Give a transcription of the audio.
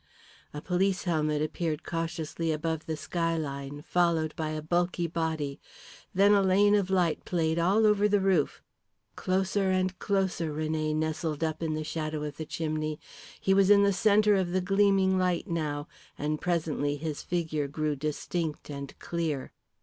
A police helmet appeared cautiously above the skyline, followed by a bulky body. Then a lane of light played all over the roof. Closer and closer René nestled up in the shadow of the chimney. He was in the centre of the gleaming light now, and presently his figure grew distinct and clear.